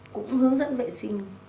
cũng hướng dẫn vệ sinh